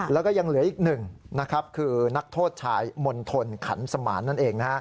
แล้วก็ยังเหลืออีกหนึ่งคือนักโทษชายมณฑลขันสมานนั่นเอง